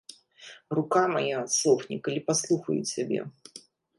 Рука мая адсохне, калі паслухаю цябе!